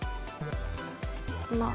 まあ。